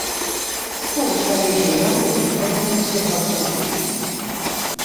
Hus va llegir amb orgull el document des del seu púlpit.